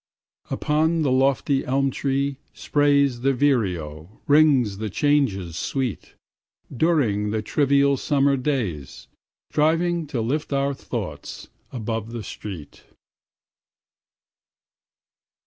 Upon the lofty elm tree sprays The vireo rings the changes sweet, During the trivial summer days, Striving to lift our thoughts above the street.